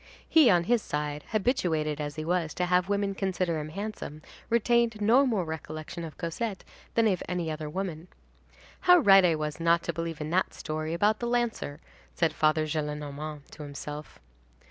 He, on his side, habituated as he was to have women consider him handsome, retained no more recollection of Cosette than of any other woman. "How right I was not to believe in that story about the lancer!" said Father Gillenormand, to himself.